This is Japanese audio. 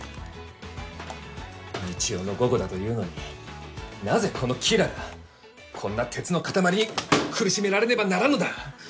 日曜の午後だというのになぜこのキラがこんな鉄の塊に苦しめられねばならんのだ。